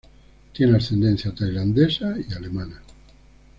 Tiene ascendencia tailandesa y alemana.